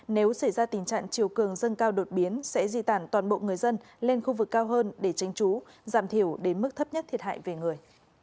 nếu xảy ra tình trạng chiều cường dâng cao đột biến sẽ di tản toàn bộ người dân lên khu vực cao hơn để tranh trú giảm thiểu đến mức thấp nhất thiệt hại về người